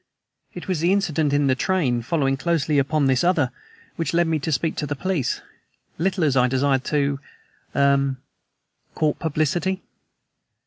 It was the incident in the train following closely upon this other, which led me to speak to the police, little as I desired to er court publicity."